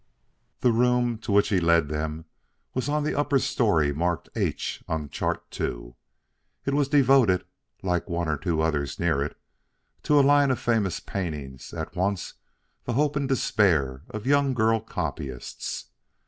The room to which he led them was that on the upper story marked H on Chart Two. It was devoted, like one or two others near it, to a line of famous paintings at once the hope and despair of young girl copyists.